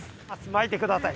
巻いてください。